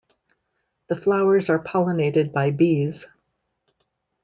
The flowers are pollinated by bees.